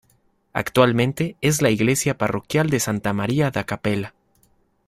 Actualmente es la iglesia parroquial de Santa María da Capela.